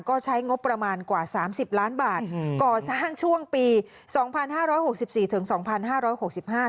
ก็ใช้งบประมาณกว่าสามสิบล้านบาทอืมก่อสร้างช่วงปีสองพันห้าร้อยหกสิบสี่ถึงสองพันห้าร้อยหกสิบห้า